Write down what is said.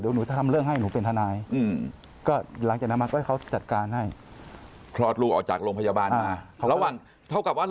เดี๋ยวครับเราก็บอก